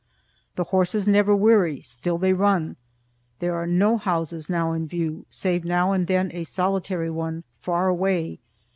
The horses never weary. Still they run. There are no houses now in view, save now and then a solitary one, far away.